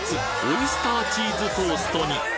オイスターチーズトーストに！